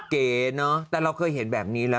เก๋เนอะแต่เราเคยเห็นแบบนี้แล้ว